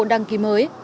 đăng ký mới